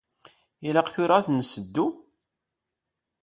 Ilaq tura ad ten-nseddu?